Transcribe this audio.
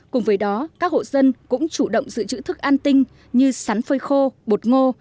cùng với đó các hộ dân cũng chủ động giữ chữ thức an tinh như sắn phơi khô bột ngô